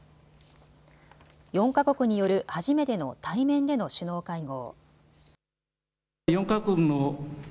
４か国による初めての対面での首脳会合。